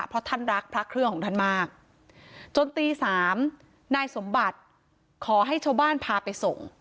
เพราะท่านรักพระเครื่องของท่านมากจนตีสามนายสมบัติขอให้ชาวบ้านพาไปส่ง